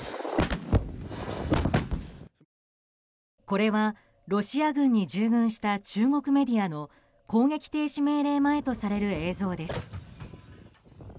これはロシア軍に従軍した中国メディアの攻撃停止命令前とされる映像です。